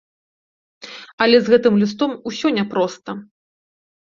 Але з гэтым лістом усё няпроста.